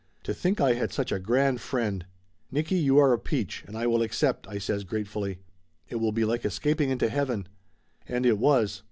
To think I had such a grand friend ! "Nicky, you are a peach and I will accept!" I says gratefully. "It will be like escaping into heaven." And it was.